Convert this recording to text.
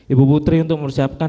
ibu putri untuk menyiapkan